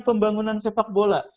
pembangunan sepak bola